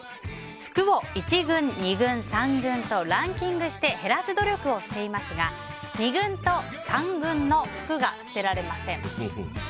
服を１軍、２軍、３軍とランキングして減らす努力をしていますが２軍と３軍の服が捨てられません。